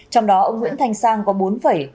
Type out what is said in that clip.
trong đó ông nguyễn thanh sang có bốn phẩy